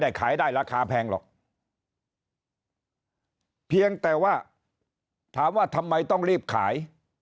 ขายได้ราคาแพงหรอกเพียงแต่ว่าถามว่าทำไมต้องรีบขาย